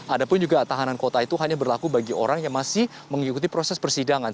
ada pun juga tahanan kota itu hanya berlaku bagi orang yang masih mengikuti proses persidangan